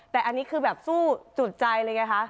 แต่อันนี้คือแบบสู้จุดใจเลยไงคะ